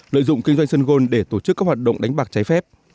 lợi dụng kinh doanh sun gold để tổ chức các hoạt động đánh bạc trái phép